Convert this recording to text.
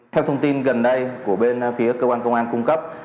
theo thông tin gần đây của bên phía cơ quan công an cung cấp